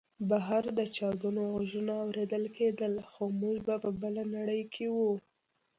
بهر د چاودنو غږونه اورېدل کېدل خو موږ په بله نړۍ کې وو